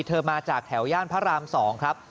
มาจากแถวย่านพระราม๒ครับ